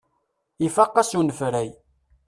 Ifaq-as unefray.